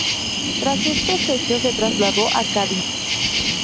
Tras estos hechos se trasladó a Cádiz.